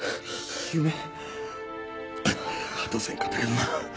果たせへんかったけどな。